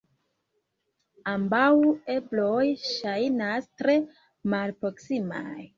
Ambaŭ ebloj ŝajnas tre malproksimaj.